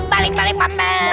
balik balik pam pam